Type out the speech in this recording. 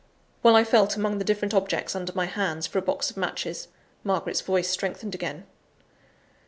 While I felt among the different objects under my hands for a box of matches: Margaret's voice strengthened again.